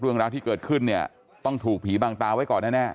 เรื่องราวที่เกิดขึ้นเนี่ยต้องถูกผีบังตาไว้ก่อนแน่